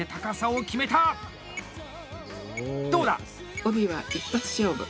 帯は一発勝負。